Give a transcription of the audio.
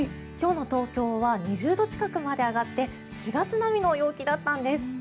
今日の東京は２０度近くまで上がって４月並みの陽気だったんです。